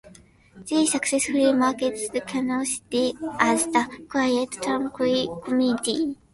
They successfully marketed Keno City as the quiet, tranquil community.